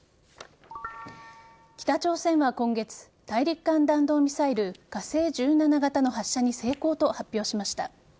北朝鮮は今月大陸間弾道ミサイル火星１７型の発射に成功と発表しました。